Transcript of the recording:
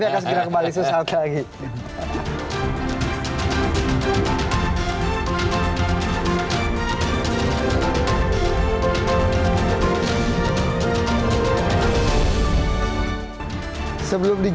kami akan segera kembali sesaat lagi